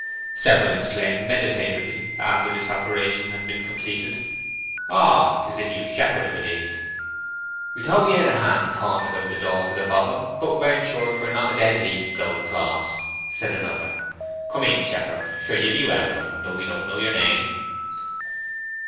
Several exclaimed meditatively, after this operation had been completed:— "Oh, 'tis the new shepherd, 'a b'lieve." "We thought we heard a hand pawing about the door for the bobbin, but weren't sure 'twere not a dead leaf blowed across," said another. "Come in, shepherd; sure ye be welcome, though we don't know yer name."